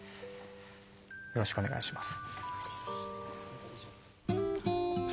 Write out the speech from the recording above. よろしくお願いします。